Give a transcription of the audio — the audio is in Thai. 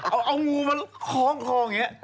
เอางูมาคล้องคออย่างนี้